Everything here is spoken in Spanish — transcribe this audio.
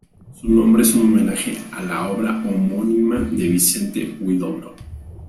Su nombre es un homenaje a la obra homónima de Vicente Huidobro.